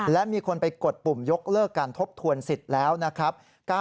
และมีคนไปกดปุ่มยกเลิกการทบทวนสิทธิ์แล้วนะครับ